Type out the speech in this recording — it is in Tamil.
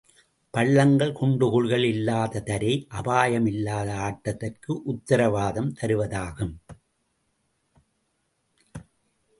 பள்ளங்கள், குண்டு குழிகள் இல்லாத தரை, அபாயமில்லாத ஆட்டத்திற்கு உத்திரவாதம் தருவதாகும்.